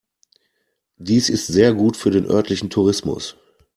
Dies ist sehr gut für den örtlichen Tourismus.